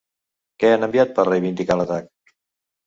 Què han enviat per reivindicar l'atac?